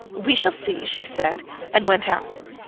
"We shall see!" she said, and went out.